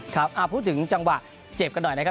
ครับพูดถึงจังหวะเจ็บกันหน่อยนะครับ